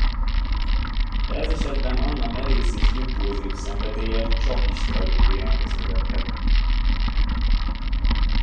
De ez esetben Anna merész és impulzív szenvedélye csakis tragédiához vezethet.